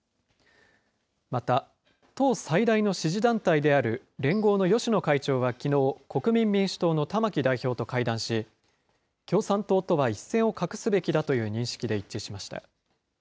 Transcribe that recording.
また、党最大の支持団体である連合の芳野会長はきのう、国民民主党の玉木代表と会談し、共産党とは一線を画すべきだという認識で一致しました。